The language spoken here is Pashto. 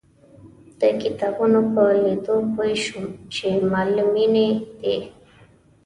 د کتابونو په لیدو پوی شوم چې معلمینې دي.